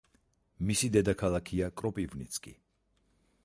მისი დედაქალაქია კროპივნიცკი.